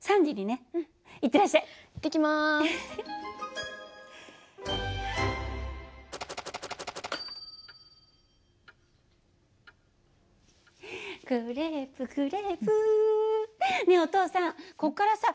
ねえお父さんこっからさ